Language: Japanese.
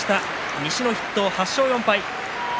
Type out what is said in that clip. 西の筆頭８勝４敗。